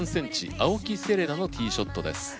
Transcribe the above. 青木瀬令奈のＴｅｅショットです。